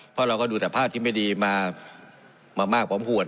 เพราะเราก็ดูแต่ภาพที่ไม่ดีมามากพร้อมควร